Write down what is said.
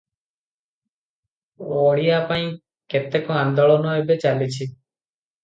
ଓଡ଼ିଆ ପାଇଁ କେତେକ ଆନ୍ଦୋଳନ ଏବେ ଚାଲିଛି ।